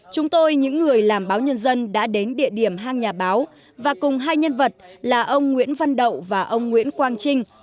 chúng tôi những người làm báo nhân dân đã đến địa điểm hang nhà báo và cùng hai nhân vật là ông nguyễn văn đậu và ông nguyễn quang trinh